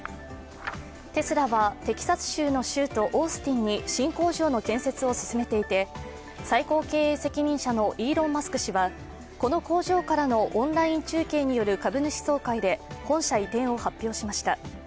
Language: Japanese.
テスラはテキサス州の州都オースティンに新工場の建設を進めていて最高経営責任者のイーロン・マスク氏はこの工場からのオンライン中継による株主総会で本社移転を発表しました。